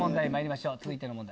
続いての問題